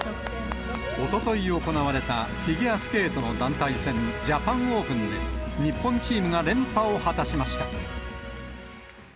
おととい行われたフィギュアスケートの団体戦、ジャパンオープンで、日本チームが連覇を果たしました。